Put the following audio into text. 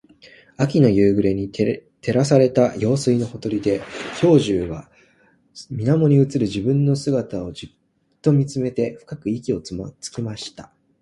秋の夕暮れに照らされた用水のほとりで、兵十は水面に映る自分の姿をじっと見つめて深く息をつきました。